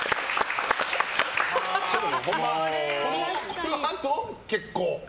このあと結構？